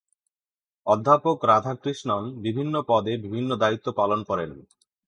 অধ্যাপক রাধাকৃষ্ণন বিভিন্ন পদে বিভিন্ন দায়িত্ব পালন করেন।